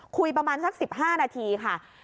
คุยประมาณสัก๑๕นาทีค่ะ